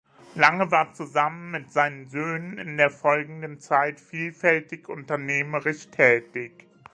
Lange war zusammen mit seinen Söhnen in der folgenden Zeit vielfältig unternehmerisch tätig.